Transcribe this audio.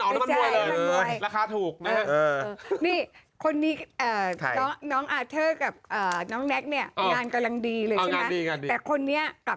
โอ้โฮนะฮะเด็กคุณยังไม่ได้ฉีดอะไรนะฮะ